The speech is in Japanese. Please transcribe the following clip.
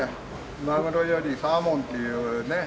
まぐろよりサーモンっていうね。